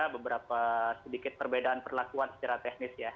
beberapa sedikit perbedaan perlakuan secara teknis ya